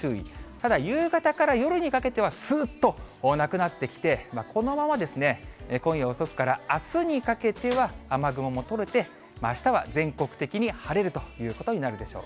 ただ、夕方から夜にかけてはすーっとなくなってきて、このまま今夜遅くからあすにかけては雨雲も取れて、あしたは全国的に晴れるということになるでしょう。